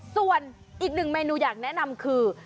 ส่วนอีกหนึ่งเมนูอยากแนะนำคือ